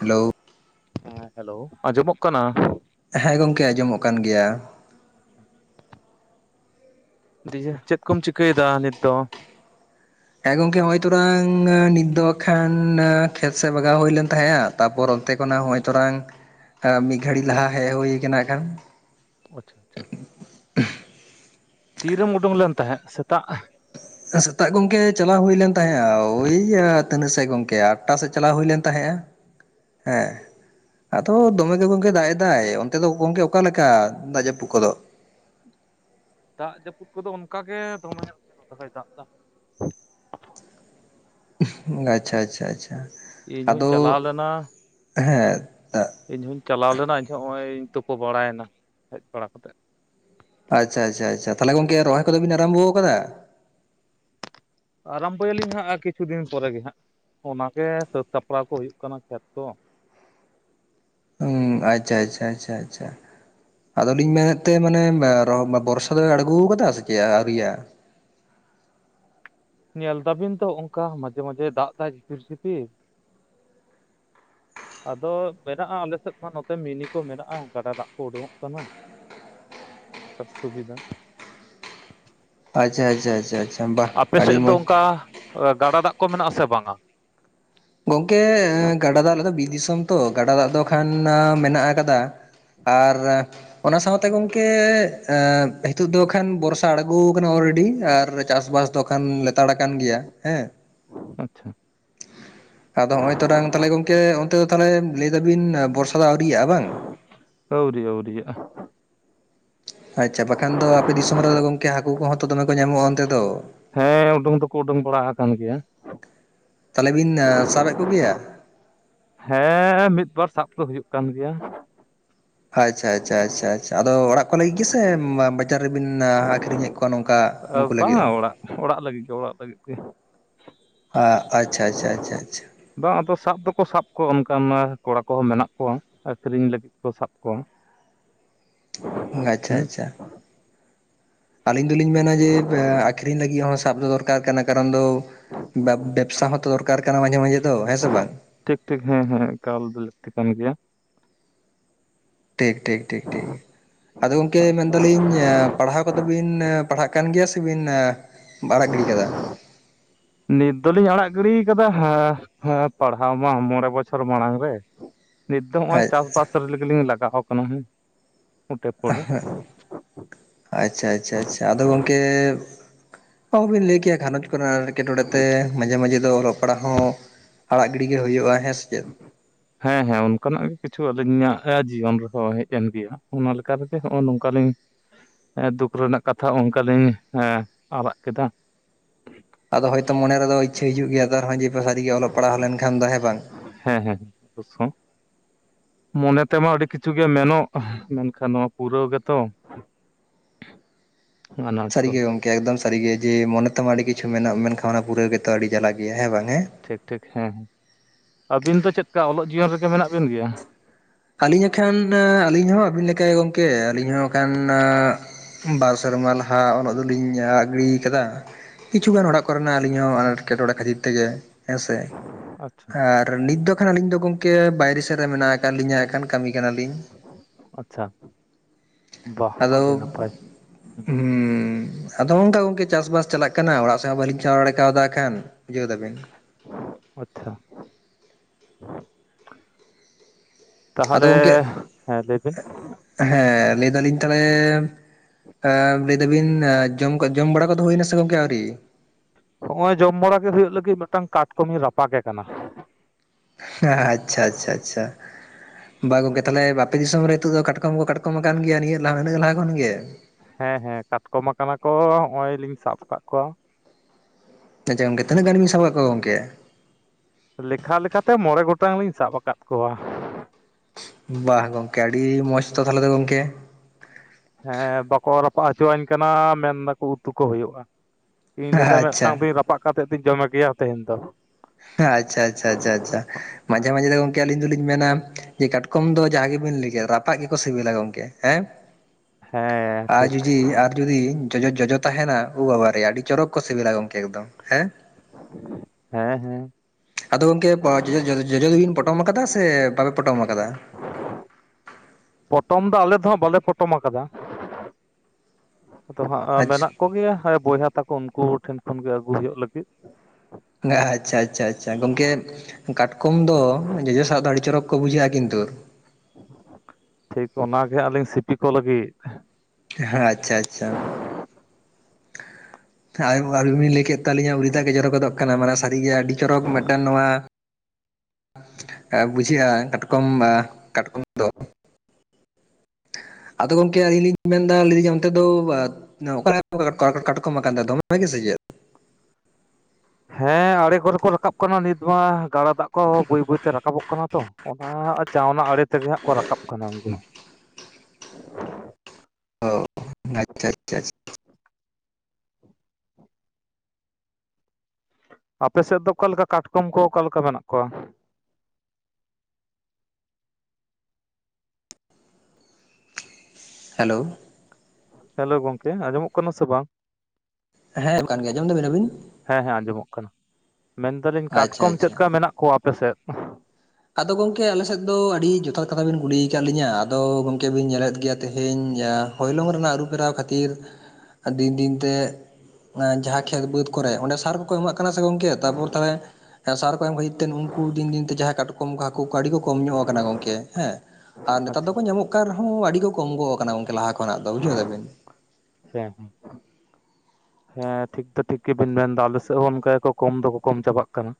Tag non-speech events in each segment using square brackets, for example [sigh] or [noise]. Hello. ᱦᱮᱸ hello ᱟᱸᱡᱚᱢᱚᱜ ᱠᱟᱱᱟ᱾ ᱦᱮᱸ ᱜᱚᱝᱠᱮ ᱟᱸᱡᱚᱢᱚᱜ ᱠᱟᱱ ᱜᱮᱭᱟ᱾ ᱫᱤᱭᱮ ᱪᱮᱫ ᱠᱚᱢ ᱪᱤᱠᱟᱹᱭᱮᱫᱟ ᱱᱤᱛ ᱫᱚ? ᱦᱮᱸ ᱜᱚᱝᱠᱮ ᱱᱚᱜᱼᱚᱭ ᱛᱚᱲᱟᱝ ᱱᱤᱛ ᱫᱚ ᱠᱷᱟᱱ ᱠᱷᱮᱛ ᱥᱮᱫ ᱵᱟᱜᱟᱣ ᱦᱩᱭ ᱞᱮᱱ ᱛᱟᱦᱮᱸᱫ- ᱟ ᱾ ᱛᱟᱯᱚᱨ ᱚᱱᱛᱮ ᱠᱷᱚᱱᱟᱜ ᱦᱚᱸᱜᱼᱚᱭ ᱛᱚᱨᱟᱝ ᱢᱤᱫ ᱜᱷᱟᱹᱲᱤᱡ ᱞᱟᱦᱟ ᱦᱮᱡ ᱦᱩᱭ ᱟᱠᱷᱟᱱ᱾ [inaudible] ᱛᱤᱨᱮᱢ ᱩᱰᱩᱝ ᱞᱮᱱ ᱛᱟᱦᱮᱸᱫ ᱥᱮᱛᱟᱜ ᱥᱮᱛᱟᱜ ᱜᱚᱝᱠᱮ ᱪᱟᱞᱟᱣ ᱦᱩᱭᱞᱱ ᱛᱟᱦᱮᱸᱜᱼᱟ, ᱳᱭ ᱛᱤᱱᱟᱹᱜ ᱥᱮᱫ ᱜᱚᱝᱠᱮ ᱟᱴᱴᱟ ᱥᱮᱫ᱾ ᱪᱟᱞᱟᱣ ᱦᱩᱭ ᱞᱮᱱ ᱛᱟᱦᱮᱸᱼᱟ, ᱦᱮᱸ᱾ ᱟᱫᱚ ᱫᱚᱢᱮᱜ ᱜᱮ ᱜᱚᱝᱠᱮ ᱫᱟᱜ ᱮᱫᱟᱭ, ᱚᱱᱛᱮ ᱫᱚ ᱜᱚᱝᱠᱮ ᱚᱠᱟᱞ ᱞᱮᱠᱟ ᱫᱟᱜ ᱡᱟᱹᱯᱩ ᱠᱚᱫᱚ? ᱫᱟᱜ ᱡᱟᱹᱯᱩᱫ ᱠᱚᱫᱚ ᱚᱱᱠᱟᱟᱜ ᱜᱮ ᱫᱚᱢᱮᱚᱜ ᱜᱮᱭᱟ ᱱᱚᱰᱮᱭ ᱫᱟᱜ ᱫᱟ ᱾ ᱟᱪᱪᱷᱟ ᱟᱪᱪᱷᱟ ᱟᱪᱪᱷᱟ ᱤᱧ ᱦᱚᱧ ᱟᱫᱚ ᱪᱟᱞᱟᱣ ᱞᱮᱱᱟ ᱦᱮᱸ᱾ ᱤᱧ ᱦᱚᱸᱧ ᱪᱟᱞᱟᱣ ᱞᱮᱱᱟ ᱤᱧᱦᱚᱸ ᱱᱚᱜᱼᱚᱭᱤᱧ ᱛᱳᱯᱳ ᱵᱟᱲᱟᱭᱮᱱᱟ ᱦᱮᱡ ᱵᱟᱲᱟ ᱠᱟᱛᱮᱫ᱾ ᱟᱪᱪᱷᱟ ᱟᱪᱪᱷᱟ ᱟᱪᱪᱷᱟ ᱛᱟᱦᱚᱞᱮ ᱜᱚᱝᱠᱮ ᱨᱚᱦᱚᱭ ᱠᱚᱫᱚᱵᱤᱱ ᱟᱨᱚᱢᱵᱚ ᱟᱠᱟᱫᱟ ᱟᱨᱚᱢᱵᱚᱭᱟᱹᱞᱤᱧ ᱦᱟᱸᱜ ᱠᱤᱪᱷᱩ ᱫᱤᱱ ᱯᱚᱨᱮ ᱜᱮ ᱦᱟᱸᱜ ᱚᱱᱟᱜᱮ ᱥᱟᱹᱛ ᱥᱟᱯᱲᱟᱣ ᱠᱚ ᱦᱩᱭᱩᱜ ᱠᱟᱱᱟ ᱠᱷᱮᱛ ᱛᱚ ᱦᱩᱸ ᱟᱪᱪᱷᱟ ᱟᱪᱪᱷᱟ ᱟᱪᱪᱷᱟ ᱟᱪᱪᱷᱟ᱾ ᱟᱫᱚᱞᱤᱧ ᱢᱮᱱᱮᱫ ᱛᱮ ᱢᱟᱱᱮ ᱵᱚᱨᱥᱟ ᱫᱚᱭ ᱟᱬᱜᱳ ᱠᱟᱫᱟ ᱥᱮ ᱪᱮᱫ ᱟᱹᱣᱨᱤᱭᱟ-ᱟ ᱧᱮᱞ ᱫᱟᱵᱤᱱ ᱛᱚ ᱚᱱᱠᱟ ᱢᱟᱡᱷᱮ ᱢᱟᱡᱷᱮ ᱫᱟᱜ ᱫᱟᱭ ᱡᱷᱤᱯᱤᱨ ᱥᱤᱷᱤᱯᱤᱨ᱾ ᱟᱫᱚ ᱢᱮᱱᱟᱜᱼᱟ ᱟᱞᱮ ᱥᱮᱫ ᱢᱟ ᱱᱚᱛᱮ ᱢᱤᱱᱤ ᱠᱚ ᱢᱮᱱᱟᱜᱼᱟ ᱜᱟᱰᱟ ᱫᱟᱜ ᱠᱚ ᱩᱰᱩᱝᱚᱜ ᱠᱟᱱᱟ᱾ ᱥᱚᱵ [unintelligible] ᱥᱩᱵᱤᱫᱷᱟ ᱟᱪᱪᱷᱟ ᱟᱪᱪᱷᱟ ᱟᱪᱪᱷᱟ ᱟᱪᱪᱷᱟ᱾ ᱵᱟᱦ ᱟᱯᱮ ᱟᱹᱰᱤ ᱥᱮᱫ ᱫᱚ ᱢᱚᱸᱡᱽ ᱚᱱᱠᱟ ᱜᱟᱰᱟ ᱫᱟᱜ ᱠᱚ ᱢᱮᱱᱟᱜ ᱟᱥᱮ ᱵᱟᱝ-ᱟ ᱜᱚᱝᱠᱮ ᱜᱟᱰᱟ ᱫᱟᱜ ᱟᱞᱮ ᱫᱚ ᱵᱤᱨ ᱫᱤᱥᱚᱢ ᱛᱚ ᱜᱟᱰᱟ ᱫᱟᱜ ᱫᱚ ᱠᱷᱟᱱ ᱢᱮᱱᱟᱜ ᱟᱠᱟᱫᱟ᱾ ᱟᱨ ᱚᱱᱟ ᱥᱟᱶᱛᱮ ᱜᱚᱝᱠᱮ ᱱᱤᱛᱚᱜ ᱫᱚ ᱟᱠᱷᱟᱱ ᱵᱚᱨᱥᱟ ᱟᱬᱜᱳ ᱟᱠᱟᱱᱟ ᱚᱞᱨᱮᱰᱤ ᱟᱨ ᱪᱟᱥᱵᱟᱥ᱾ ᱛᱚ ᱠᱷᱟᱱ ᱞᱮᱛᱟᱲ ᱟᱠᱟᱱ ᱜᱮᱭᱟ ᱦᱮᱸ ᱟᱪᱪᱷᱟ᱾ ᱟᱫᱚ ᱦᱚᱸᱜᱼᱚᱭ ᱛᱚᱨᱟ ᱛᱟᱦᱚᱞᱮ ᱜᱚᱝᱠᱮ ᱚᱱᱛᱮ ᱛᱟᱦᱚᱞᱮ ᱞᱟᱹᱭ ᱫᱟᱵᱤᱱ ᱵᱚᱨᱥᱟ ᱫᱚ ᱟᱹᱣᱨᱤᱭᱟᱜᱼᱟ ᱵᱟᱝ᱾ ᱟᱹᱣᱨᱤ ᱟᱹᱣᱨᱤᱭᱟᱜ-ᱟ᱾ ᱟᱪᱪᱷᱟ ᱵᱟᱠᱷᱟᱱ ᱫᱚ ᱟᱯᱮ ᱫᱤᱥᱚᱢ ᱨᱮᱫᱚ ᱜᱚᱝᱠᱮ ᱦᱟᱹᱠᱩ ᱠᱚᱦᱚᱸ ᱛᱚ ᱫᱚᱢᱮ ᱠᱚ ᱧᱟᱢᱚᱜᱼᱟ ᱚᱱᱛᱮ ᱫᱚ᱾ ᱦᱮᱸ ᱩᱰᱩᱝ ᱫᱚᱠᱚ ᱩᱰᱩᱝ ᱵᱟᱲᱟ ᱟᱠᱟᱱ ᱜᱮᱭᱟ᱾ ᱛᱟᱦᱚᱞᱮ ᱵᱤᱱ ᱥᱟᱵᱮᱫ ᱠᱚᱜᱮᱭᱟ᱾ ᱦᱮᱸ ᱢᱤᱫ ᱵᱟᱨ ᱥᱟᱵ ᱫᱚ ᱦᱩᱭᱩᱜ ᱠᱟᱱ ᱜᱮᱭᱟ᱾ ᱟᱪᱪᱷᱟ ᱟᱪᱪᱷᱟ ᱟᱪᱪᱷᱟ ᱟᱪᱪᱷᱟ ᱟᱫᱚ ᱚᱲᱟᱜ ᱠᱚ ᱞᱟᱹᱜᱤᱫ ᱜᱮ ᱥᱮ᱾ ᱵᱟᱡᱟᱨ ᱨᱮᱵᱤᱱ ᱟᱠᱷᱨᱤᱧᱮᱫ ᱠᱚᱣᱟ ᱱᱚᱝᱠᱟ ᱩᱱᱠᱩ ᱞᱟᱹᱜᱤᱫ ᱵᱟᱝᱟ ᱦᱚ᱾ ᱚᱲᱟᱜ ᱚᱲᱟᱜ ᱞᱟᱹᱜᱤᱫ [inaudible] ᱟ ᱟᱪᱪᱷᱟ ᱟᱪᱪᱷᱟ ᱟᱪᱪᱷᱟ ᱟᱪᱪᱷᱟ᱾ ᱵᱟᱝ ᱟᱫᱚ ᱥᱟᱵ ᱫᱚᱠᱚ ᱥᱟᱵ ᱠᱚᱣᱟ ᱚᱱᱠᱟᱱ ᱢᱟ ᱠᱚᱲᱟ ᱠᱚᱦᱚᱸ ᱢᱮᱱᱟᱜ ᱠᱚᱣᱟ᱾ ᱟᱠᱷᱨᱤᱧ ᱞᱟᱹᱜᱤᱫ ᱠᱚ ᱥᱟᱵ ᱠᱚᱣᱟ᱾ ᱟᱪᱪᱷᱟ ᱦᱩᱸ᱾ ᱟᱪᱪᱷᱟ᱾ ᱟᱹᱞᱤᱧ ᱫᱚᱞᱤᱧ ᱢᱮᱱᱟ ᱡᱮ ᱟᱠᱠᱷᱨᱤᱧ ᱞᱟᱹᱜᱤᱫ ᱦᱚᱸ ᱥᱟᱵ ᱫᱚ ᱫᱚᱨᱠᱟᱨ ᱠᱟᱱᱟ ᱠᱟᱨᱚᱱ ᱫᱚ᱾ ᱵᱮᱵᱽᱥᱟ ᱦᱚᱸᱛᱚ ᱫᱚᱨᱠᱟᱨ ᱠᱟᱱᱟ ᱢᱟᱡᱷᱮ ᱢᱟᱡᱷᱮ ᱫᱚ ᱦᱮᱸ ᱥᱮ ᱵᱟᱝ᱾ ᱴᱷᱤᱠ ᱴᱷᱤᱠ ᱦᱮᱸ ᱦᱮᱸ ᱮᱠᱟᱞ ᱫᱚ ᱞᱟᱹᱠᱛᱤ ᱠᱟᱱ ᱜᱮᱭᱟ ᱴᱷᱤᱠ ᱴᱷᱤᱠ ᱴᱷᱤᱠ ᱴᱷᱤᱠ᱾ ᱟᱫᱚ ᱜᱚᱝᱠᱮ ᱢᱮᱱᱫᱟᱞᱤᱧ ᱯᱟᱲᱦᱟᱣ ᱠᱚᱫᱚ ᱵᱤᱱ ᱯᱟᱲᱦᱟᱜ ᱠᱟᱱ ᱜᱮᱭᱟ ᱥᱮᱵᱤᱱ᱾ ᱟᱲᱟᱜ ᱜᱤᱰᱤ ᱠᱟᱫᱟ᱾ ᱟᱨ [inaudible] ᱱᱤᱛ ᱫᱚᱞᱤᱧ ᱟᱲᱟᱜ ᱜᱤᱲᱤ ᱠᱟᱫᱟ ᱦᱟᱸ ᱯᱟᱲᱦᱟᱣ ᱢᱟ ᱢᱚᱬᱮ ᱵᱚᱪᱷᱚᱨ ᱢᱟᱲᱟᱝ ᱨᱮ᱾ ᱱᱤᱛ ᱫᱚ ᱦᱚᱸᱜᱼᱚᱭ ᱪᱟᱥᱼᱵᱟᱥ ᱨᱮᱜᱮ ᱞᱤᱧ ᱞᱟᱜᱟᱣ ᱠᱟᱱᱟ, ᱦᱩᱸ᱾ ᱮᱸᱦᱮᱸᱜ, ᱟᱪᱪᱷᱟ ᱟᱪᱪᱷᱟ ᱟᱪᱪᱷᱟ ᱟᱫᱚ ᱜᱚᱢᱠᱮ ᱚᱦᱚᱵᱤᱱ ᱞᱟᱹᱭ ᱠᱮᱭᱟ ᱜᱷᱟᱨᱚᱸᱡᱽ ᱠᱚᱨᱮᱱᱟᱜ ᱮᱲᱠᱮᱴᱚᱲᱮ ᱛᱮ ᱢᱟᱡᱷᱮ ᱢᱟᱡᱷᱮ ᱫᱚ ᱚᱞᱚᱜ ᱯᱟᱲᱦᱟᱜ ᱦᱚᱸ ᱟᱲᱟᱜ ᱜᱤᱰᱤ ᱜᱮ ᱦᱩᱭᱩᱜᱼᱟ, ᱦᱮᱸ‌ᱥ ᱦᱮᱸ ᱦᱮᱸ ᱚᱱᱠᱟᱱᱟᱜ ᱜᱮ ᱠᱤᱪᱷᱩ ᱟᱹᱞᱤᱧᱟᱜ ᱡᱤᱭᱚᱱ ᱨᱮᱦᱚᱸ ᱦᱮᱡ ᱮᱱ ᱜᱮᱭᱟ ᱚᱱᱟ ᱞᱮᱠᱟ ᱨᱮᱜᱮ ᱱᱚᱜᱼᱚᱭ ᱱᱚᱝᱠᱟᱞᱤᱧ᱾ ᱫᱩᱠ ᱨᱮᱱᱟᱜ ᱠᱟᱛᱷᱟ ᱚᱱᱠᱟᱞᱤᱧ ᱟᱲᱟᱜ ᱠᱮᱫᱟ᱾ ᱟᱫᱚ ᱦᱳᱭᱛᱚ ᱢᱚᱱᱮ ᱨᱮᱫᱚ ᱤᱪᱪᱷᱟᱹ ᱦᱤᱡᱩᱜ ᱜᱮᱭᱟ ᱟᱨᱦᱚᱸ ᱡᱮ [unintelligible] ᱥᱤ ᱚᱞᱚᱜ ᱯᱟᱲᱦᱟᱣ ᱞᱮᱱᱠᱷᱟᱱ ᱫᱚ ᱦᱮᱸ ᱵᱟᱝ ᱦᱮᱸ ᱦᱮᱸ ᱚᱵᱚᱥᱥᱚ᱾ ᱢᱚᱱᱮ ᱛᱮᱢᱟ ᱟᱹᱰᱤ ᱠᱤᱪᱷᱩ ᱜᱮ ᱢᱮᱱᱚᱜ ᱢᱮᱱᱠᱷᱟᱱ ᱱᱚᱣᱟ ᱯᱩᱨᱟᱹᱣ ᱜᱮᱛᱚ᱾ [inaudible] ᱟᱱᱟᱴ ᱥᱟᱹᱨᱤ ᱫᱚ ᱜᱮ ᱜᱚᱝᱠᱮ ᱮᱠᱫᱚᱢ ᱥᱟᱹᱨᱤ ᱜᱮ ᱡᱮ ᱢᱚᱱᱮ ᱛᱮᱢᱟ ᱟᱹᱰᱤ ᱠᱤᱪᱷᱩ ᱢᱮᱱᱚᱜᱼᱟ ᱢᱮᱱᱠᱷᱟᱱ ᱚᱱᱟ ᱯᱩᱨᱟᱹᱣ ᱜᱮᱛᱚ ᱟᱹᱰᱤ ᱡᱟᱞᱟ ᱜᱮᱭᱟ ᱦᱮᱸ ᱵᱟᱝ ᱦᱮᱸ᱾ ᱴᱷᱤᱠ ᱴᱷᱤᱠ ᱦᱮᱸ ᱦᱮᱸ ᱟᱹᱵᱤᱱ ᱫᱚ ᱪᱮᱫᱠᱟ ᱚᱞᱚᱜ ᱡᱤᱭᱚᱱ ᱨᱮᱜᱮ ᱢᱮᱱᱟᱜ ᱵᱤᱱ ᱜᱮᱭᱟ᱾ ᱟᱹᱞᱤᱧ ᱮᱠᱷᱟᱱ ᱟᱹᱞᱤᱧ ᱦᱚᱸ ᱟᱹᱵᱤᱱ ᱞᱮᱠᱟ ᱜᱮ ᱜᱚᱝᱠᱮ ᱟᱹᱞᱤᱧ ᱦᱚᱸ ᱮᱠᱷᱟᱱ᱾ ᱵᱟᱨ ᱥᱮᱨᱢᱟ ᱞᱟᱦᱟ ᱚᱞᱚᱜ ᱫᱚᱞᱤᱧ ᱟᱲᱟᱜ ᱜᱤᱲᱤ ᱟᱠᱟᱫᱟ᱾ ᱠᱤᱪᱷᱩᱜᱟᱱ ᱚᱲᱟᱜ ᱠᱚᱨᱮᱱᱟᱜ ᱟᱹᱞᱤᱞ ᱦᱚᱸ ᱟᱱᱟᱴ ᱮᱴᱠᱮᱴᱚᱬᱮ ᱠᱷᱟᱹᱛᱤᱨ ᱛᱮᱜᱮ᱾ ᱦᱮᱸᱥᱮ ᱟᱪᱪᱷᱟ ᱟᱨ ᱱᱤᱛ ᱫᱚ ᱠᱷᱟᱱ ᱟᱹᱞᱤᱧ ᱫᱚ ᱜᱚᱢᱠᱮ ᱵᱟᱭᱨᱮ ᱥᱮᱫ ᱨᱮ ᱢᱮᱱᱟᱜ ᱟᱠᱟᱫ ᱞᱤᱧᱟᱹ᱾ ᱮᱱᱠᱷᱟᱱ ᱠᱟᱹᱢᱤ ᱠᱟᱱᱟᱞᱤᱧ᱾ ᱟᱪᱪᱷᱟ ᱵᱟᱦ ᱟᱫᱚ ᱟᱹᱰᱤ ᱱᱟᱯᱟᱭ ᱦᱩᱸᱻ ᱦᱩᱸ, ᱟᱫᱚ ᱚᱝᱠᱟ ᱜᱚᱝᱠᱮ ᱪᱟᱥᱼᱵᱟᱥ ᱪᱟᱞᱟᱜ ᱠᱟᱱᱟ ᱚᱲᱟᱜ ᱥᱮᱫ ᱦᱚᱸ ᱵᱟᱹᱞᱤᱧ ᱪᱟᱞᱟᱣᱟᱲᱮ ᱠᱟᱣᱫᱟ ᱦᱟᱸᱜ ᱠᱷᱟᱱ ᱵᱩᱡᱷᱟᱹᱣ ᱫᱟᱵᱤᱱ᱾ ᱟᱪᱪᱷᱟ᱾ ᱟᱫᱚ ᱛᱟᱦᱚᱞᱮ ᱜᱚᱝᱠᱮ ᱦᱮᱸ ᱞᱟᱹᱭᱵᱤᱱ? ᱦᱮᱸ ᱞᱟᱹᱭ ᱫᱟᱞᱤᱧ ᱛᱟᱞᱦᱮ ᱮ ᱞᱟᱹᱭ ᱫᱟᱵᱤᱱ ᱮ ᱡᱚᱢ ᱠᱚ ᱡᱚᱢ ᱵᱟᱲᱟ ᱠᱚᱫᱚ ᱦᱩᱭ ᱱᱟ ᱥᱮ ᱜᱚᱝᱠᱮ ᱟᱹᱣᱨᱤ? ᱦᱚᱸ ᱚᱭ ᱡᱚᱢ ᱵᱟᱲᱟ ᱜᱮ ᱦᱩᱭᱩᱜ ᱞᱟᱹᱜᱤᱫ ᱢᱤᱫᱴᱟᱝ ᱠᱟᱴᱠᱚᱢᱤᱧ ᱨᱟᱯᱟ ᱜᱮ ᱠᱟᱱᱟ᱾ ᱦᱮᱸ ᱟᱪᱪᱷᱟ ᱟᱪᱪᱷᱟ ᱟᱪᱪᱷᱟ᱾ ᱵᱟ ᱜᱚᱢᱠᱮ ᱛᱟᱞᱦᱮ ᱵᱟᱯᱮ ᱫᱤᱥᱚᱢ ᱨᱮ ᱱᱤᱛᱚᱜ ᱫᱚ ᱠᱟᱴᱠᱚᱢ ᱠᱚ ᱠᱟᱴᱠᱚᱢ ᱟᱠᱟᱱ ᱜᱮᱭᱟ ᱱᱤᱭᱟᱹ ᱞᱟᱦᱟ ᱤᱱᱟᱹᱜ ᱞᱟᱦᱟ ᱠᱷᱚᱱ ᱜᱮ ᱦᱮᱸ ᱦᱮᱸ ᱠᱟᱴᱠᱚᱢ ᱟᱠᱟᱱᱟ ᱠᱚ ᱦᱚᱸᱜ-ᱚᱭ ᱞᱤᱧ ᱥᱟᱵ ᱟᱠᱟᱫ ᱠᱚᱣᱟ᱾ ᱟᱪᱪᱷᱟ ᱜᱚᱢᱠᱮ ᱛᱤᱱᱟᱹᱜ ᱜᱟᱱᱵᱤᱱ ᱥᱟᱵ ᱟᱠᱟᱫ ᱠᱚᱣᱟ ᱜᱚᱢᱠᱮ ᱞᱮᱠᱷᱟ ᱞᱮᱠᱷᱟᱛᱮ ᱢᱚᱬᱮ ᱜᱚᱴᱟᱝ ᱞᱤᱧ ᱥᱟᱵ ᱟᱠᱟᱫ ᱠᱚᱣᱟ᱾ ᱵᱟᱦ ᱜᱚᱝᱠᱮ ᱟᱹᱰᱤ ᱢᱚᱸᱡᱽ ᱛᱚ ᱛᱟᱦᱚᱞᱮ ᱫᱚ ᱜᱚᱝᱠᱮ ᱦᱮᱸ ᱵᱟᱠᱚ ᱨᱟᱯᱟᱜ ᱦᱚᱪᱚᱣᱟᱹᱧ ᱠᱟᱱᱟ ᱢᱮᱱᱫᱟᱠᱚ ᱩᱛᱩ ᱠᱚ ᱦᱩᱭᱩᱜ-ᱟ᱾ ᱤᱧ ᱞᱟᱹᱭᱫᱟ ᱟᱪᱪᱷᱟ ᱢᱤᱫᱴᱟᱝ ᱫᱩᱧ ᱨᱟᱯᱟᱜ ᱠᱟᱛᱮᱫ ᱫᱩᱧ ᱡᱚᱢᱮᱜᱮᱭᱟ ᱛᱮᱦᱮᱧ ᱫᱚ᱾ ᱦᱮᱸ, ᱟᱪᱪᱷᱟᱼᱟᱪᱪᱷᱟᱼᱟᱪᱪᱷᱟᱼᱟᱪᱪᱷᱟ᱾ ᱚᱱᱠᱟ ᱢᱟᱡᱷᱮ-ᱢᱟᱡᱷᱮ ᱫᱚ ᱜᱚᱢᱠᱮ ᱟᱹᱞᱤᱧ ᱫᱩᱞᱤᱧ ᱢᱮᱱᱟ, ᱡᱮ ᱠᱟᱴᱠᱚᱢ ᱫᱚ ᱡᱟᱦᱟ ᱜᱮᱵᱤᱱ ᱞᱟᱹᱭ ᱠᱮᱫ ᱨᱟᱯᱟᱜ ᱜᱮᱠᱚ ᱥᱤᱵᱤᱞᱟ ᱜᱚᱢᱠᱮ ᱦᱮᱸ᱾ ᱦᱮᱸ ᱟ ᱴᱷᱤᱠ ᱡᱩᱫᱤ ᱟᱨ ᱡᱩᱫᱤ ᱡᱚᱡᱚᱼᱡᱚᱡᱚ ᱛᱟᱦᱮᱸᱱᱟ ᱩ ᱵᱟᱵᱟ ᱨᱮ ᱟᱹᱰᱤ ᱪᱚᱨᱚᱠ ᱠᱚ ᱥᱮᱵᱮᱞᱟ ᱜᱚᱢᱠᱮ ᱮᱠᱫᱚᱢ, ᱦᱮᱸ᱾ ᱦᱮᱸ ᱦᱮᱸ᱾ ᱟᱫᱚ ᱜᱚᱝᱠᱮ ᱵᱟ ᱡᱚᱡᱚᱼᱡᱚᱡᱚ ᱡᱚᱡᱚ ᱫᱚᱵᱤᱱ ᱯᱚᱴᱚᱢ ᱠᱟᱫᱟ ᱥᱮ ᱵᱟᱯᱮ ᱯᱚᱴᱚᱢ ᱟᱠᱟᱫᱟ? ᱯᱚᱴᱚᱢ ᱫᱚ ᱟᱞᱮ ᱫᱚ ᱦᱟᱸᱜ ᱵᱟᱞᱮ ᱯᱚᱴᱚᱢᱠᱟᱫᱟ ᱟᱫᱚ ᱦᱟᱸᱜ ᱟᱪᱪᱷᱟ ᱢᱮᱱᱟᱜ ᱠᱚᱜᱮᱭᱟ ᱮᱸ ᱵᱚᱭᱦᱟ ᱛᱟᱠᱚ ᱩᱱᱠᱩ ᱴᱷᱮᱱ ᱠᱷᱚᱱᱜᱮ ᱟᱹᱜᱩ ᱦᱩᱭᱩᱜ ᱞᱟᱹᱜᱤᱫ ᱟᱪᱪᱷᱟ ᱟᱪᱪᱷᱟ ᱟᱪᱪᱷᱟ ᱜᱚᱝᱠᱮ ᱠᱟᱴᱠᱚᱢ ᱫᱚ ᱡᱚᱡᱚ ᱥᱟᱶ ᱫᱚ ᱟᱹᱰᱤ ᱪᱚᱨᱚᱠ ᱠᱚ ᱵᱩᱡᱷᱟᱹᱜ-ᱟ ᱠᱤᱱᱛᱩᱨ ᱴᱷᱤᱠ ᱚᱱᱟᱜᱮ ᱟᱹᱞᱤᱧ ᱥᱤᱯᱤ ᱠᱚ ᱞᱟᱹᱜᱤᱫ ᱦᱮᱸ ᱟᱪᱪᱷᱟ ᱟᱪᱪᱷᱟ ᱟᱵᱤᱱ, ᱟᱵᱤᱱᱞᱟᱹᱭ ᱠᱮᱫ ᱛᱮ ᱟᱹᱞᱤᱧᱟᱜ ᱩᱞᱤᱫᱟᱜ ᱜᱮ ᱡᱚᱨᱚᱠ ᱜᱚᱫᱚᱜ ᱠᱟᱱᱟ ᱢᱟᱱᱮ ᱥᱟᱹᱨᱤᱜᱮ ᱟᱹᱰᱤ ᱪᱚᱨᱚᱠ ᱢᱤᱫᱴᱟᱝ ᱱᱚᱣᱟ ᱮᱸ ᱵᱩᱡᱷᱟᱹᱜ-ᱟ ᱠᱟᱴᱠᱚᱢ, ᱠᱟᱴᱠᱚᱢ ᱫᱚ ᱟᱫᱚ ᱜᱚᱝᱠᱮ ᱟᱞᱤᱧ ᱞᱤᱧ ᱢᱮᱱᱮᱫᱟ ᱞᱟᱹᱭᱫᱟᱹᱧ ᱚᱱᱛᱮ ᱫᱚ ᱚᱠᱟ ᱠᱚᱨᱮ ᱠᱚ ᱠᱟᱴᱠᱚᱢ ᱟᱠᱟᱱᱛᱮ ᱫᱚᱢᱮ ᱜᱮ ᱥᱮ ᱪᱮᱫ? ᱦᱮᱸ ᱟᱲᱮ ᱠᱚᱨᱮ ᱠᱚ ᱨᱟᱠᱟᱵ ᱠᱟᱱᱟ ᱱᱤᱛ ᱢᱟ ᱜᱟᱰᱟ ᱫᱟᱜ ᱠᱚ ᱵᱟᱹᱭ ᱵᱟᱹᱭ ᱛᱮ ᱨᱟᱠᱟᱵᱚᱜ ᱠᱟᱱᱟ ᱛᱚ᱾ ᱚᱱᱟ ᱪᱟᱣᱱᱟᱜ ᱟᱲᱮ ᱛᱮᱜᱮ ᱦᱟᱸᱜ ᱠᱚ ᱨᱟᱠᱟᱵ ᱠᱟᱱᱟ ᱩᱱᱠᱩ ᱚ ᱟᱪᱪᱷᱟ ᱟᱪᱪᱷᱟ ᱟᱯᱮ ᱥᱮᱫ ᱫᱚ ᱚᱠᱟ ᱞᱮᱠᱟ ᱠᱟᱴᱠᱚᱢ ᱠᱚ ᱚᱠᱟ ᱞᱮᱠᱟ ᱢᱮᱱᱟᱜ ᱠᱚᱣᱟ ᱦᱮᱞᱳ ᱦᱮᱞᱳ ᱜᱚᱝᱠᱮ ᱟᱸᱡᱚᱢᱚᱜ ᱠᱟᱱᱟ ᱥᱮ ᱵᱟᱝ? ᱦᱮᱸ ᱚᱝᱠᱟᱱ ᱜᱮᱭᱟ ᱟᱸᱡᱚᱢ ᱫᱟᱵᱤᱱ ᱟᱹᱵᱤᱱ ᱦᱮᱸ ᱦᱮᱸ ᱟᱸᱡᱚᱢᱚᱜ ᱠᱟᱱᱟ᱾ ᱢᱮᱱᱫᱟᱞᱤᱧ ᱠᱟᱴᱠᱚᱢ ᱟᱪᱪᱷᱟ ᱪᱮᱫ ᱟᱪᱪᱷᱟ ᱞᱮᱠᱟ ᱢᱮᱱᱟᱜ ᱠᱚᱣᱟ ᱟᱯᱮ ᱥᱮᱫ ᱟᱫᱚ ᱜᱚᱢᱠᱮ ᱟᱞᱮᱥᱮᱫ ᱫᱚ ᱟᱹᱰᱤ ᱡᱚᱛᱷᱟᱛ ᱠᱟᱛᱷᱟ ᱵᱤᱱ ᱠᱩᱞᱤᱭᱟᱠᱟᱫ ᱞᱤᱧᱟᱹ ᱟᱫᱚ ᱜᱚᱢᱠᱮ ᱵᱤᱱ ᱧᱮᱞᱮᱫ ᱜᱮᱭᱟ ᱛᱮᱦᱮᱧ ᱮᱸ ᱦᱚᱭᱞᱚᱝ ᱨᱮᱱᱟᱜ ᱟᱹᱨᱩ ᱯᱷᱮᱨᱟᱣ ᱠᱷᱟᱹᱛᱤᱨ ᱫᱤᱱ ᱫᱤᱱ ᱛᱮ ᱡᱟᱦᱟᱸ ᱠᱷᱮᱛ ᱵᱟᱹᱫᱽ ᱠᱚᱨᱮ ᱚᱸᱰᱮ ᱥᱟᱨ ᱠᱚᱠᱚ ᱮᱢᱟᱜ ᱠᱟᱱᱟ ᱥᱮ ᱜᱚᱝᱠᱮ ᱛᱟᱨᱯᱚᱨ ᱛᱟᱦᱚᱞᱮ ᱦᱮᱸ ᱥᱟᱨ ᱠᱚ ᱮᱢ ᱦᱩᱭᱩᱜ ᱛᱮ ᱩᱱᱠᱩ ᱫᱤᱱ ᱫᱤᱱ ᱛᱮ ᱡᱟᱦᱟᱸᱭ ᱠᱟᱴᱠᱚᱢ ᱠᱟᱴᱠᱚᱢ ᱠᱚ ᱦᱟᱹᱠᱩ ᱠᱚ ᱟᱹᱰᱤ ᱠᱚ ᱠᱚᱢ ᱧᱚᱜ ᱟᱠᱟᱱᱟ ᱜᱚᱝᱠᱮ ᱦᱮᱸ ᱟᱨ ᱱᱮᱛᱟᱨ ᱟᱪᱪᱷᱟ ᱫᱚᱠᱚ ᱧᱟᱢᱚᱜ ᱚᱝᱠᱟᱱ ᱦᱚᱸ ᱟᱹᱰᱤ ᱠᱚ ᱠᱚᱢ ᱜᱚᱜ ᱠᱟᱱᱟ ᱜᱚᱝᱠᱮ ᱞᱟᱦᱟ ᱠᱷᱱᱟᱜ ᱫᱚ ᱵᱩᱡᱷᱟᱹᱣ ᱫᱟᱵᱤᱱ᱾ [unintelligible] ᱦᱮᱸ ᱴᱷᱤᱠ ᱫᱚ ᱴᱷᱤᱠ ᱜᱮᱵᱤᱱ ᱢᱮᱱᱫᱟ ᱟᱞᱮ ᱥᱮᱫ ᱦᱚᱸ ᱚᱱᱠᱟ ᱜᱮ ᱠᱚᱢ ᱫᱚᱠᱚ ᱠᱚᱢ ᱪᱟᱵᱟᱜ ᱠᱟᱱᱟ᱾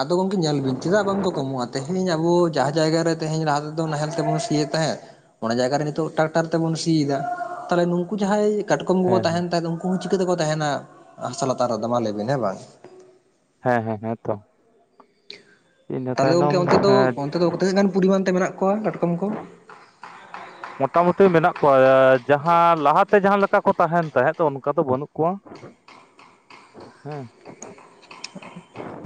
ᱟᱫᱚ ᱜᱚᱢᱠᱮ ᱧᱮᱞ ᱵᱤᱱ ᱪᱮᱫᱟᱜ ᱵᱟᱝᱠᱚ ᱠᱚᱢᱚᱜ-ᱟ ᱛᱮᱦᱤᱧ ᱟᱵᱚ ᱡᱟᱦᱟᱸ ᱡᱟᱭᱜᱟ ᱨᱮ ᱛᱮᱦᱤᱧ ᱞᱟᱦᱟ ᱛᱮᱫᱚ ᱱᱟᱦᱮᱞ ᱛᱮᱵᱚᱱ ᱥᱤᱭᱮᱫ ᱛᱟᱦᱮᱸᱫ ᱚᱱᱟ ᱡᱟᱭᱜᱟ ᱨᱮ ᱱᱤᱛᱚᱜ ᱴᱨᱟᱠᱴᱟᱨ ᱛᱮᱵᱚᱱ ᱥᱤᱭᱮᱫᱟ ᱛᱟᱦᱚᱞᱮ ᱱᱩᱠᱩ ᱡᱟᱦᱟᱸᱭ ᱠᱟᱴᱠᱚᱢ ᱠᱚᱠᱚ ᱦᱮᱸ ᱛᱟᱦᱮᱱ ᱦᱮᱸ ᱛᱟᱦᱮᱸ ᱩᱱᱠᱩ ᱦᱚᱸ ᱪᱤᱠᱟᱹ ᱛᱮᱠᱚ ᱛᱟᱦᱮᱱᱟ ᱦᱟᱥᱟ ᱞᱟᱛᱟᱨ ᱨᱮᱫᱚ ᱢᱟ ᱞᱟᱭᱵᱤᱱ ᱦᱮᱸ ᱵᱟᱝ ᱦᱮᱸ ᱦᱮᱸ ᱦᱮᱸ ᱛᱚ ᱤᱱᱟᱹ ᱛᱟᱦᱚᱞᱮ ᱜᱚᱝᱠᱮ ᱛᱟᱭᱱᱚᱢ ᱚᱱᱛᱮ ᱫᱚ ᱦᱮᱸ ᱚᱱᱛᱮ ᱫᱚ ᱛᱤᱱᱟᱹᱜ ᱜᱟᱱ ᱯᱚᱨᱤᱢᱟᱱ ᱛᱮ ᱢᱮᱱᱟᱜ ᱠᱚᱣᱟ ᱠᱟᱴᱠᱚᱢ ᱠᱚ ᱢᱚᱴᱟᱢᱩᱴᱤ ᱢᱮᱱᱟᱜ ᱠᱚᱣᱟ ᱡᱟᱦᱟᱸ ᱞᱟᱦᱟᱛᱮ ᱡᱟᱦᱟᱸ ᱞᱮᱠᱟ ᱠᱚ ᱛᱟᱦᱮᱱ ᱛᱟᱦᱮᱸᱫ ᱚᱱᱠᱟ ᱫᱚ ᱵᱟᱹᱱᱩᱜ ᱠᱚᱣᱟ ᱦᱮᱸ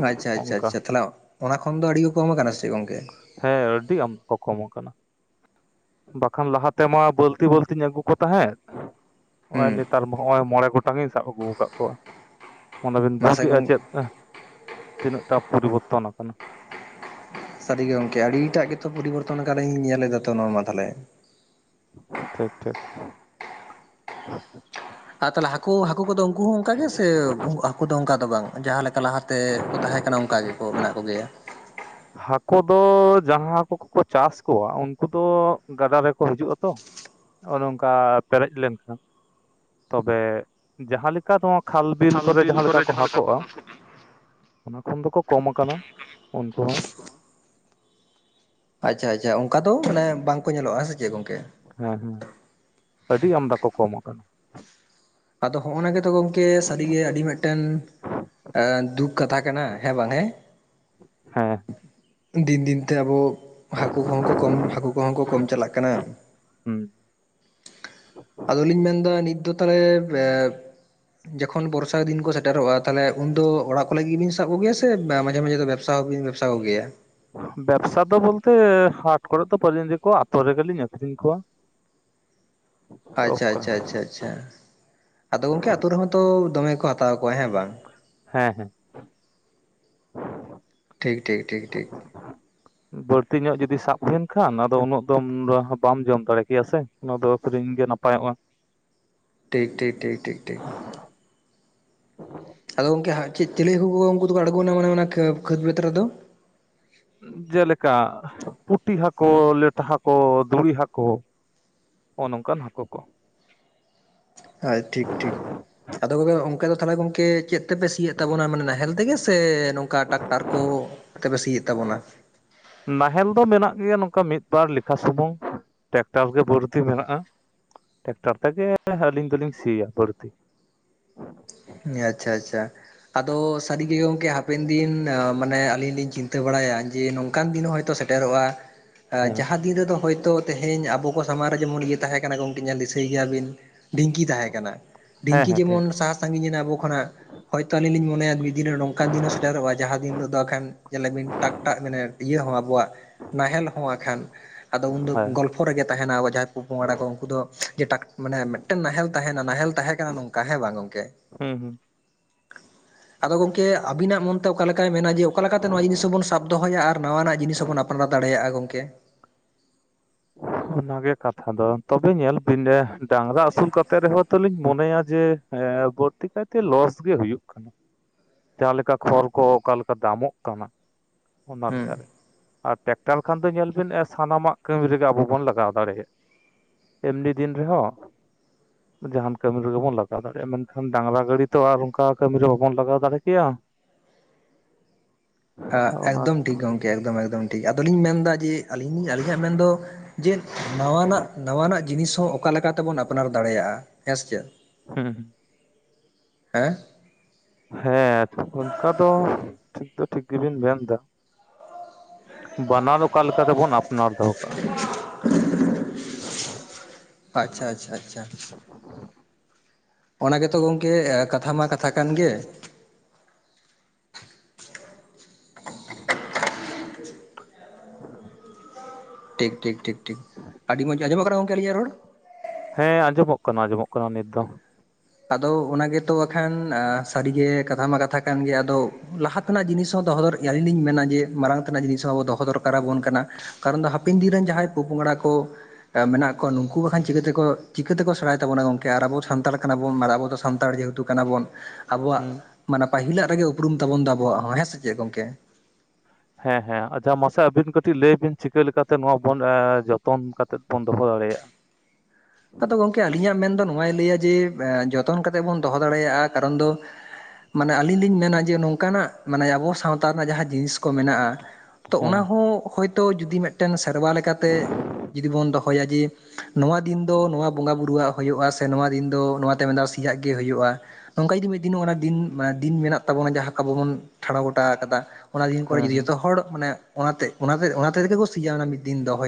ᱟᱪᱪᱷᱟ ᱟᱪᱪᱷᱟ ᱚᱱᱠᱟ ᱟᱪᱷᱟ ᱛᱟᱦᱚᱞᱮ ᱚᱱᱟ ᱠᱷᱚᱱ ᱫᱚ ᱟᱹᱰᱤ ᱜᱮ ᱠᱚᱢ ᱠᱟᱱᱟ ᱥᱮ ᱜᱚᱝᱠᱮ ᱦᱮᱸ ᱟᱹᱰᱤ ᱟᱢᱫᱟ ᱠᱚ ᱠᱚᱢ ᱠᱟᱱᱟ᱾ ᱵᱟᱠᱷᱟᱱ ᱞᱟᱦᱟᱛᱮᱢᱟ ᱵᱟᱹᱞᱛᱤ ᱵᱟᱹᱞᱛᱤᱧ ᱟᱹᱜᱩ ᱠᱚ ᱛᱟᱦᱮᱸᱫ ᱱᱚᱜ ᱦᱩᱸ ᱱᱤᱛᱚᱜ ᱛᱟᱨ ᱱᱚᱜᱼᱚᱭ ᱢᱚᱬᱮ ᱜᱚᱴᱟᱝᱤᱧ ᱥᱟᱵ ᱟᱹᱜᱩ ᱟᱠᱟᱫ ᱠᱚᱣᱟ ᱢᱚᱱᱮ ᱵᱤᱱ ᱵᱩᱡ ᱢᱟᱥᱮ ᱮᱫᱼᱟ ᱜᱚᱝ ᱪᱮᱫ ᱛᱤᱱᱟᱹᱜ ᱴᱟ ᱯᱚᱨᱤᱵᱚᱨᱛᱚᱱ ᱠᱟᱱᱟ? ᱥᱟᱹᱨᱤᱜᱮ ᱜᱚᱝᱠᱮ ᱟᱹᱰᱤᱴᱟᱜ ᱜᱮᱛᱚ ᱯᱚᱨᱤᱵᱚᱨᱛᱚᱱ ᱟᱠᱟᱱᱟᱮᱧ ᱧᱮᱞᱫᱟ ᱛᱚ ᱱᱚᱣᱟᱢᱟ ᱛᱟᱦᱞᱮ᱾ ᱴᱷᱤᱠ ᱴᱷᱤᱠ᱾ ᱟ ᱛᱟᱦᱚᱞᱮ ᱦᱟᱹᱠᱩ ᱦᱟᱹᱠᱩ ᱠᱚᱫᱚ ᱩᱱᱠᱩ ᱦᱚᱸ ᱚᱱᱠᱟ ᱜᱮ ᱥᱮ ᱦᱟᱹᱠᱩ ᱫᱚ ᱚᱱᱠᱟ ᱫᱚ ᱵᱟᱝ ᱡᱟᱦᱟᱸᱮᱠ ᱞᱟᱦᱟᱛᱮ ᱠᱚ ᱛᱟᱦᱮᱸ ᱠᱟᱱᱟ ᱚᱱᱠᱟ ᱜᱮ ᱠᱚ ᱢᱮᱱᱟᱜ ᱠᱚᱜᱮᱭᱟ? ᱦᱟᱹᱠᱳ ᱫᱚ ᱡᱟᱦᱟᱸ ᱦᱟᱹᱠᱳ ᱠᱚᱠᱚ ᱪᱟᱥ ᱠᱚᱣᱟ ᱩᱱᱠᱩ ᱫᱚ ᱜᱟᱰᱟ ᱨᱮᱠᱚ ᱦᱤᱡᱩᱜᱼᱟ ᱛᱚ᱾ ᱚᱱ ᱚᱝᱠᱟ ᱯᱮᱨᱮᱡ ᱞᱮᱱᱠᱷᱟᱱ ᱛᱚᱵᱮ ᱡᱟᱦᱟᱸ ᱞᱮᱠᱟ ᱱᱚᱣᱟ ᱠᱷᱟᱞ ᱵᱤᱞ ᱠᱚᱨᱮ ᱡᱟᱦᱟᱸ ᱞᱮᱠᱟ ᱠᱚ ᱦᱟᱠᱳᱜ-ᱟ᱾ ᱚᱱᱟ ᱠᱷᱚᱱ ᱫᱚᱠᱚ ᱠᱚᱢ ᱟᱠᱟᱱᱟ ᱩᱱᱠᱩ ᱦᱚᱸ ᱟᱪᱪᱷᱟ ᱟᱪᱪᱷᱟ ᱚᱱᱠᱟ ᱫᱚ ᱢᱟᱱᱮ ᱵᱟᱝᱠᱚ ᱧᱮᱞᱚᱜ-ᱟ ᱦᱮᱸ ᱥᱮ ᱪᱮᱫ ᱜᱚᱝᱠᱮ ᱦᱮᱸ ᱦᱮᱸ ᱟᱹᱰᱤ ᱟᱢᱫᱟ ᱠᱚ ᱠᱚᱢ ᱠᱟᱱᱟ ᱟᱫᱚ ᱦᱚᱜ-ᱚᱱᱟ ᱜᱮᱛᱚ ᱜᱚᱝᱠᱮ ᱥᱟᱹᱨᱤᱜᱮ ᱟᱹᱰᱤ ᱢᱤᱫᱴᱮᱱ ᱮ ᱫᱩᱠ ᱠᱟᱛᱷᱟ ᱠᱟᱱᱟ ᱦᱮᱸ ᱵᱟᱝ ᱦᱮᱸ ᱦᱮᱸ᱾ ᱫᱤᱱ ᱫᱤᱱ ᱛᱮ ᱟᱵᱚ ᱦᱟᱹᱠᱩ ᱠᱚᱦᱚᱸ ᱠᱚ ᱠᱚᱢ ᱦᱟᱹᱠᱩ ᱠᱚᱦᱚᱸ ᱠᱚ ᱠᱚᱢ ᱪᱟᱞᱟᱜ ᱠᱟᱱᱟ᱾ ᱦᱩᱸ ᱟᱫᱚᱞᱤᱧ ᱢᱮᱱᱫᱟ ᱱᱤᱛ ᱫᱚ ᱛᱟᱦᱚᱞᱮ ᱮᱵ ᱡᱮᱠᱷᱚᱱ ᱵᱚᱨᱥᱟ ᱫᱤᱱ ᱠᱚ ᱥᱮᱴᱮᱨᱚᱜᱼᱟ ᱛᱟᱦᱚᱞᱮ ᱩᱱᱫᱚ ᱚᱲᱟᱜ ᱠᱚ ᱞᱟᱹᱜᱤᱫ ᱜᱮᱵᱤᱱ ᱥᱟᱵ ᱠᱚᱜᱮᱭᱟ ᱥᱮ ᱢᱟᱡᱷᱮ ᱢᱟᱡᱷᱮ ᱫᱚ ᱵᱮᱥᱟ ᱦᱚᱸᱵᱤᱱ ᱵᱮ ᱥᱟ ᱠᱚ ᱜᱮᱭᱟ᱾ ᱵᱮᱵᱽᱥᱟ ᱫᱚ ᱵᱚᱞᱛᱮ ᱦᱟᱴ ᱠᱚᱨᱮ ᱫᱚ ᱯᱟᱹᱞᱤᱧ [unintelligible] ᱤᱫᱤ ᱠᱚᱣᱟ ᱟᱛᱳ ᱨᱮᱜᱮᱞᱤᱧ ᱟᱹᱠᱷᱨᱤᱧ ᱠᱚᱣᱟ᱾ ᱟᱪᱪᱷᱟ ᱚᱠᱟ ᱪᱷᱟ ᱪᱷᱟ ᱪᱷᱟ ᱟᱫᱚ ᱜᱚᱝᱠᱮ ᱟᱹᱛᱳ ᱨᱮᱦᱚᱸ ᱛᱚ ᱫᱚᱢᱮ ᱠᱚ ᱦᱟᱛᱟᱣ ᱠᱚᱣᱟ ᱦᱮᱸ ᱵᱟᱝ? ᱦᱮᱸ ᱦᱮᱸ᱾ ᱴᱷᱤᱠ ᱴᱷᱤᱠ ᱴᱷᱤᱠ ᱴᱷᱤᱠ᱾ ᱵᱟᱹᱲᱛᱤ ᱧᱚᱜ ᱡᱩᱚᱫᱤ ᱥᱟᱵ ᱦᱩᱭᱮᱱ ᱠᱷᱟᱱ, ᱟᱫᱚ ᱩᱱᱟᱹᱜ ᱫᱚ ᱵᱟᱢ ᱡᱚᱢ ᱫᱟᱲᱮ ᱠᱮᱭᱟ ᱥᱮ᱾ ᱱᱚᱣᱟ ᱫᱚ ᱟᱹᱠᱷᱤᱨᱤᱧ ᱜᱮ ᱱᱟᱯᱟᱭᱚᱜᱼᱟ᱾ ᱴᱷᱤᱠ ᱴᱷᱤᱠ ᱴᱷᱤᱠ ᱴᱷᱤᱠ ᱴᱷᱤᱠ᱾ ᱟᱫᱚ ᱜᱚᱝᱠᱮ ᱪᱮᱫ ᱪᱤᱞᱤ ᱦᱟᱹᱠᱩ ᱠᱚ ᱠᱚ ᱩᱱᱠᱩ ᱫᱚᱠᱚ ᱟᱬᱜᱚᱱᱟ ᱢᱟᱱᱮ ᱚᱱᱟ ᱠᱷᱟᱹᱛ ᱵᱟᱹᱛ ᱨᱮᱫᱚ? ᱡᱮᱞᱮᱠᱟ ᱯᱩᱴᱤ ᱦᱟᱹᱠᱳ ᱞᱮᱴᱟ ᱦᱟᱹᱠᱳ ᱫᱷᱩᱲᱤ ᱦᱟᱹᱠᱳ ᱚᱱᱼᱚ ᱚᱱᱠᱟᱱ ᱦᱟᱹᱠᱳ ᱠᱚ᱾ ᱟ ᱴᱷᱤᱠ ᱴᱷᱤᱠ ᱟᱫᱚ ᱜᱮ ᱚᱝᱠ ᱫᱚ ᱛᱟᱦᱚᱞᱮ ᱜᱚᱝᱠᱮ ᱪᱮᱫ ᱛᱮᱯᱮ ᱥᱤᱭᱮᱫ ᱛᱟᱵᱚᱱᱟ ᱢᱟᱱᱮ ᱱᱟᱦᱮᱞ ᱛᱮᱜᱮ ᱥᱮ ᱱᱚᱝᱠᱟ ᱴᱟᱠᱴᱟᱨ ᱠᱚ ᱛᱮᱯᱮ ᱥᱤᱭᱮᱫ ᱛᱟᱵᱚᱱᱟ? ᱱᱟᱦᱮᱞ ᱫᱚ ᱢᱮᱱᱟᱜ ᱜᱮᱭᱟ ᱱᱚᱝᱠᱟ ᱢᱤᱫ ᱵᱟᱨ ᱞᱮᱠᱷᱟ ᱥᱩᱢᱩᱝ ᱴᱮᱠᱴᱟᱨ ᱜᱮ ᱵᱟᱹᱲᱛᱤ ᱢᱮᱱᱟᱜᱼᱟ᱾ ᱴᱮᱠᱴᱟᱨ ᱛᱮᱜᱮ ᱟᱹᱞᱤᱧ ᱫᱚᱞᱤᱧ ᱥᱤᱭᱟ ᱵᱟᱹᱲᱛᱤ᱾ ᱦᱩᱸ ᱟᱪᱪᱷᱟ ᱟᱪᱪᱷᱟ᱾ ᱟᱫᱚ ᱥᱟᱹᱨᱤ ᱜᱮ ᱜᱚᱢᱠᱮ ᱦᱟᱯ ᱦᱟᱯᱮᱱ ᱫᱤᱱ ᱢᱟᱱᱮ ᱟᱹᱞᱤᱧ ᱞᱤᱧ ᱪᱤᱱᱛᱟᱹ ᱵᱟᱲᱟᱭᱟ ᱡᱮ ᱱᱚᱝᱠᱟᱱ ᱫᱤᱱ ᱦᱚᱭᱛᱚ ᱥᱮᱴᱮᱨᱚᱜᱼᱟ᱾ ᱦᱮᱸ ᱡᱟᱦᱟᱸ ᱫᱤᱱ ᱨᱮᱫᱚ ᱦᱚᱳᱭᱛᱳ ᱛᱮᱦᱤᱧ ᱟᱵᱚ ᱠᱚ ᱥᱟᱢᱟᱝ ᱨᱮ ᱡᱮᱢᱚᱱ ᱤᱭᱟᱹ ᱛᱟᱸᱦᱮ ᱠᱟᱱᱟ ᱜᱚᱢᱠᱮ ᱧᱮᱞ ᱫᱤᱥᱟᱹᱭ ᱜᱮᱭᱟᱵᱤᱱ ᱰᱷᱤᱝᱠᱤ ᱛᱟᱦᱮᱸ ᱠᱟᱱᱟ, ᱦᱮᱸ ᱰᱷᱤᱝᱠᱤ ᱦᱮᱸ ᱴᱷᱤᱠ ᱡᱮᱢᱚᱱ ᱥᱟᱦᱟ ᱥᱟᱺᱜᱤᱧ ᱮᱱᱟ ᱟᱵᱚ ᱠᱷᱚᱱᱟᱜ ᱦᱳᱭᱛᱳ ᱟᱹᱞᱤᱧ ᱞᱤᱧ ᱢᱚᱱᱮᱭᱟ ᱢᱤᱫ ᱫᱤᱱ ᱦᱤᱞᱳ ᱱᱚᱝᱠᱟᱱ ᱫᱤᱱ ᱦᱚᱸ ᱥᱮᱴᱮᱨᱚᱜᱼᱟ, ᱡᱟᱦᱟᱸ ᱫᱤᱱᱤᱞᱳᱜ ᱫᱚ ᱠᱷᱟᱱ ᱡᱮᱞᱮᱵᱤᱱ ᱴᱟᱠ-ᱴᱟᱜ ᱢᱟᱱᱮ ᱤᱭᱟᱹ ᱦᱚᱸ ᱟᱵᱚᱣᱟᱜ ᱱᱟᱦᱮᱞ ᱟᱠᱷᱟᱱ ᱟᱫᱚ ᱩᱱᱫᱚ ᱦᱮᱸ ᱜᱚᱞᱯᱚ ᱯᱚ ᱨᱮᱜᱮ ᱛᱟᱦᱮᱱᱟ ᱟᱵᱚ ᱡᱟᱦᱟᱸᱭ ᱯᱚ ᱯᱚᱝᱲᱟ ᱠᱚ ᱩᱱᱠᱩ ᱫᱚ ᱡᱮ ᱴᱟ ᱢᱟᱱᱮ ᱢᱤᱫᱴᱮᱱ ᱱᱟᱦᱮᱞ ᱛᱟᱦᱮᱱᱟ ᱱᱟᱦᱮᱞ ᱛᱟᱦᱮᱸ ᱠᱟᱱᱟ ᱱᱚᱝ ᱠᱟ ᱦᱮᱸ ᱵᱟᱝ ᱜᱚᱢᱠᱮ? ᱦᱮᱸ ᱦᱩᱸ᱾ ᱟᱫᱚ ᱜᱚᱢᱠᱮ ᱟᱵᱤᱱᱟᱜ ᱢᱚᱱ ᱛᱮ ᱚᱠᱟ ᱞᱮᱠᱟᱭ ᱢᱮᱱᱟ ᱡᱮ ᱚᱠᱟ ᱞᱮᱠᱟᱛᱮ ᱱᱚᱣᱟ ᱡᱤᱱᱤᱥ ᱦᱚᱸᱵᱚᱱ ᱥᱟᱵ ᱫᱚᱦᱚᱭᱟ ᱟᱨ ᱱᱟᱣᱟᱱᱟᱜ ᱡᱤᱱᱤᱥ ᱦᱚᱵᱚᱱ ᱟᱯᱱᱟᱨ ᱫᱟᱲᱮᱭᱟᱜᱼᱟ ᱜᱚᱝᱠᱮ? ᱚᱱᱟᱜᱮ ᱠᱟᱛᱷᱟ ᱫᱚ ᱛᱚᱵᱮ ᱧᱮᱞ ᱵᱤᱱ ᱰᱟᱝᱨᱟ ᱟᱹᱥᱩᱞ ᱠᱟ ᱠᱟᱛᱮ ᱨᱮᱦᱚᱸ ᱛᱚᱞᱤᱧ ᱢᱚᱱᱮᱭᱟ ᱡᱮ ᱮᱸ ᱵᱟᱹᱲᱛᱤ ᱠᱟᱭᱛᱮ ᱞᱚᱥ ᱜᱮ ᱦᱩᱭᱩᱜ ᱠᱟᱱᱟ᱾ ᱡᱟᱸᱦᱟ ᱞᱮᱠᱟ ᱠᱷᱚᱨ ᱠᱚ ᱚᱠᱟᱞᱮᱠᱟ ᱫᱟᱢᱚᱜ ᱠᱟᱱᱟ, ᱚᱱᱟ ᱦᱩᱸ ᱞᱮᱠᱟᱨᱮ ᱟᱨ ᱴᱮᱠᱴᱟᱨ ᱠᱷᱟᱱ ᱫᱚ ᱧᱮᱞ ᱵᱤᱱᱼᱟ ᱥᱟᱱᱟᱢᱟᱜ ᱠᱟᱹᱢᱤ ᱨᱮᱜᱮ ᱟᱵᱚ ᱵᱚᱱ ᱞᱟᱜᱟᱣ ᱫᱟᱲᱮᱭᱟᱜᱼᱟ᱾ᱮᱢᱱᱤ ᱫᱤᱱ ᱨᱮᱦᱚᱸ ᱡᱟᱦᱟᱱ ᱠᱟᱹᱢᱤ ᱨᱮᱜᱮ ᱵᱚᱱ ᱞᱟᱜᱟᱣ ᱫᱟᱲᱮᱭᱟᱜᱼᱟ ᱢᱮᱱᱠᱷᱟᱱ ᱰᱟᱝᱨᱟ ᱜᱟᱹᱰᱤᱤ ᱛᱚ ᱟᱨ ᱚᱱᱠᱟ ᱠᱟᱹᱢᱤᱤᱨ ᱨᱮ ᱵᱟᱵᱚᱱ ᱞᱟᱜᱟᱣ ᱫᱟᱲᱮ ᱠᱮᱭᱟ? ᱟᱜ ᱚᱱᱟ ᱮᱠᱫᱚᱢ ᱴᱷᱤᱠ ᱜᱚᱢᱠᱮ ᱮᱠᱫᱚᱢ ᱮᱠᱫᱚᱢ ᱴᱷᱤᱠ ᱟᱫᱚᱞᱤᱧ ᱢᱮᱱᱫᱟ ᱡᱮ ᱟᱹᱞᱤᱧ ᱟᱹᱞᱤᱧᱟᱜ ᱢᱮᱱᱫᱚ ᱡᱮ ᱱᱟᱣᱟᱱᱟᱜ, ᱱᱟᱣᱟᱱᱟᱜ ᱡᱤᱱᱤᱥ ᱦᱚᱸ ᱚᱠᱟᱮᱠᱟ ᱛᱮᱵᱚᱱ ᱟᱯᱱᱟᱨ ᱫᱟᱲᱮᱭᱟᱜᱼᱟ ᱦᱮᱸ ᱥᱮ ᱪᱮ? ᱦᱩᱸ ᱦᱩᱸ᱾ ᱦᱮᱸ? ᱦᱮᱸ ᱚᱱᱠᱟ ᱫᱚ ᱴᱷᱤᱠ ᱫᱚ ᱴᱷᱤᱠ ᱜᱮᱵᱤᱱ ᱢᱮᱱ ᱫᱟ᱾ ᱵᱟᱱᱟᱨ ᱚᱠᱟᱮ ᱞᱮᱠᱟᱛᱮᱵᱚᱱ ᱟᱯᱱᱟᱨ ᱫᱚᱦᱚ ᱠᱟᱜᱼᱟ? ᱟᱪᱪᱷᱟ ᱪᱷᱟ ᱪᱷᱟ᱾ ᱚᱱᱟ ᱜᱮᱛᱚ ᱜᱚᱝᱠᱮ ᱠᱟᱛᱷᱟ ᱢᱟ ᱠᱟᱛᱷᱟ ᱠᱟᱱ ᱜᱮ᱾ ᱴᱷᱤᱠ ᱴᱷᱤᱠ ᱴᱷᱤᱠ ᱴᱷᱤᱠ ᱟᱹᱰᱤᱰᱤ ᱢᱚᱡᱽ ᱟᱡᱚᱢᱚᱜ ᱟᱞᱤᱧᱟᱜ ᱨᱚᱲ? ᱦᱮᱸ ᱟᱸᱡᱚᱢᱚᱜ ᱠᱟᱱᱟ ᱟᱸᱡᱚᱢᱚᱜ ᱠᱟᱱᱟ ᱱᱤᱛ ᱫᱚ᱾ ᱟᱫᱚ ᱚᱱᱟ ᱜᱮᱛᱚ ᱵᱟᱠᱷᱟᱱ ᱥᱟᱹᱨᱤᱜᱮ ᱠᱟᱛᱷᱟ ᱢᱟ ᱠᱟᱛᱷᱟ ᱠᱟᱱ ᱜᱮ ᱟᱫᱚ ᱞᱟᱦᱟ ᱱᱟᱜ ᱡᱤᱱᱤᱥ ᱦᱚᱸ ᱫᱚᱦᱚ ᱫᱚᱨ ᱟᱹᱞᱤᱧ ᱞᱤᱧ ᱢᱮᱱᱟ ᱡᱮ ᱢᱟᱨᱟᱝ ᱛᱮᱱᱟᱜ ᱡᱤᱱᱤᱥ ᱦᱚᱸ ᱟᱵᱚ ᱫᱚᱦᱚ ᱫᱚᱨᱠᱟᱨᱟᱵᱚᱱ ᱠᱟᱱᱟ᱾ ᱠᱟᱨᱚᱱ ᱫᱚ ᱦᱟᱯᱮᱱ ᱫᱤᱱ ᱨᱮᱱ ᱡᱟᱦᱟᱸᱭ ᱯᱚᱯᱚᱝᱲᱟ ᱠᱚ ᱢᱮᱱᱟᱜ ᱠᱚᱣᱟ ᱱᱩᱠᱩ ᱵᱟᱠᱷᱟᱱ ᱪᱤᱠᱟᱹᱛᱮᱠᱚ ᱪᱤᱠᱟᱹᱛᱮᱠᱚ ᱥᱮᱬᱟᱭ ᱛᱟᱵᱚᱱᱟ ᱜᱚᱝᱠᱮ ᱟᱨ ᱟᱵᱚ ᱥᱟᱱᱛᱟᱲ ᱠᱟᱱᱟ ᱵᱚᱱ ᱟᱵᱚ ᱫᱚ ᱥᱟᱱᱛᱟᱲ ᱡᱮᱦᱮᱛᱩ ᱠᱟᱱᱟ ᱵᱚᱱ ᱟᱵᱚᱣᱟᱜ ᱦᱩᱸ ᱢᱟᱱᱮ ᱯᱟᱹᱦᱤᱞᱟᱜ ᱨᱮᱜᱮ ᱩᱯᱩᱢ ᱛᱟᱵᱚᱱ ᱫᱚ ᱟᱵᱚᱣᱟᱜ ᱦᱚᱸ ᱦᱮᱸ ᱥᱮ ᱪᱮᱫ ᱜᱚᱝᱠᱮ? ᱦᱮᱸ ᱦᱮᱸ ᱟᱪᱪᱷᱟ ᱢᱟᱥᱮ ᱟᱹᱵᱤᱱ ᱠᱟᱹᱴᱤᱡ ᱞᱟᱹᱭ ᱵᱤᱱ ᱪᱤᱠᱟᱹ ᱞᱮᱠᱟᱛᱮ ᱱᱚᱣᱟ ᱵᱚᱱ ᱡᱚᱛᱚᱱ ᱠᱟᱛᱮᱫ ᱵᱚᱱ ᱫᱚᱦᱚ ᱫᱟᱲᱮᱭᱟᱜᱼᱟ᱾ ᱟᱫᱚ ᱜᱚᱢᱠᱮ ᱟᱹᱞᱤᱧᱟᱜ ᱢᱮᱱ ᱫᱚ ᱱᱚᱟᱭ ᱞᱟᱹᱭᱟ ᱡᱮ ᱡᱚᱛᱚᱱ ᱠᱟᱛᱮᱜ ᱵᱚᱱ ᱫᱚᱦᱚ ᱫᱟᱲᱮᱭᱟᱜᱼᱟ, ᱠᱟᱨᱚᱱ ᱫᱚ ᱢᱟᱱᱮ ᱟᱹᱞᱤᱧ ᱞᱤᱧ ᱢᱮᱱᱟ ᱡᱮ ᱱᱚᱝᱠᱟᱱᱟᱜ ᱢᱟᱱᱮ ᱟᱵᱚ ᱥᱟᱶᱛᱟ ᱨᱮᱱᱟᱜ ᱡᱟᱦᱟᱸ ᱡᱤᱱᱤᱥ ᱠᱚ ᱢᱮᱱᱟᱜᱼᱟ, ᱛᱚ ᱦᱮᱸ ᱚᱱᱟ ᱦᱚᱸ ᱦᱚᱭ ᱛᱚ ᱡᱩᱫᱤ ᱢᱤᱫᱴᱮᱱ ᱥᱮᱨᱣᱟ ᱞᱮᱠᱟᱛᱮ ᱡᱩᱫᱤ ᱵᱚᱱ ᱫᱚᱦᱚᱭᱟ ᱡᱮ ᱱᱚᱣᱟ ᱫᱤᱱ ᱫᱚ ᱱᱚᱣᱟ ᱵᱚᱸᱜᱟ ᱵᱩᱨᱩᱣᱟᱜ ᱦᱩᱭᱩᱜᱼᱟ ᱥᱮ ᱱᱚᱣᱟ ᱫᱤᱱ ᱫᱚ ᱱᱚᱣᱟᱛᱮ ᱢᱮᱱᱫᱟ ᱥᱮᱤᱭᱟᱜ ᱜᱮ ᱦᱩᱭᱩᱜᱼᱟ᱾ ᱱᱚᱝᱠᱟ ᱡᱩᱫᱤ ᱢᱤᱫ ᱫᱤᱱ ᱫᱤᱱ ᱫᱤᱱ ᱢᱮᱱᱟᱜ ᱛᱟᱵᱚᱱᱟ ᱡᱟᱦᱟᱸ ᱟᱵᱚ ᱵᱚᱱ ᱴᱷᱟᱲᱟᱣ ᱜᱚᱴᱟ ᱠᱟᱫᱟ, ᱚᱱᱟ ᱫᱤᱱ ᱠᱚᱨᱮ ᱦᱮᱸ ᱦᱮᱸ ᱡᱩᱫᱤ ᱡᱚᱛᱚᱦ ᱦᱚᱲ ᱢᱟᱱᱮ ᱚᱱᱟᱛᱮ, ᱚᱱᱟᱛᱮ ᱚᱱᱟᱛᱮᱜᱮᱠᱚ ᱥᱡᱟᱣᱱᱟ ᱢᱤᱫ ᱫᱤᱱ ᱫᱚ ᱦᱚᱭ